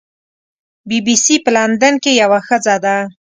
بی بي سي په لندن کې یوه ښځه ده.